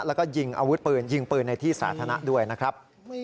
แล้วก็ยิงอาวุธปืนยิงปืนในที่สาธารณะด้วยนะครับ